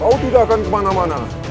oh tidak akan kemana mana